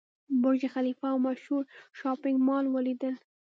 برج خلیفه او مشهور شاپینګ مال ولیدل.